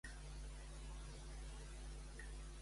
Enyego d'Àvalos, gran camarlenc d'Alfons el Magnànim.